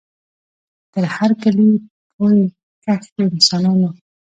تر هر کلي پوري کښ د انسانانو